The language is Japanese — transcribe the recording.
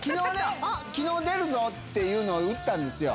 昨日出るぞ！って打ったんですよ。